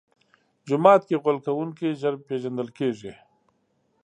جومات کې غول کوونکی ژر پېژندل کېږي.